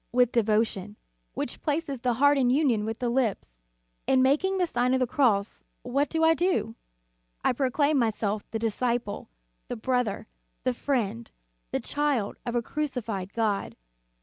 With devotion ; which places the heart in union with the lips. In making the Sign of the Cross what do I do? I proclaim myself the disciple, the brother, the friend, the child of a crucified God.